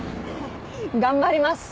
頑張ります。